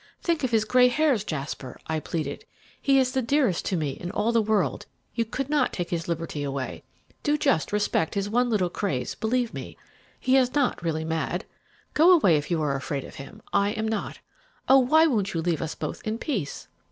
'Think of his grey hairs, Jasper,' I pleaded. 'He is the dearest to me in all the world; you could not take his liberty away. Do just respect his one little craze; believe me, he is not really mad. Go away if you are afraid of him; I am not. Oh, why don't you leave us both in peace?'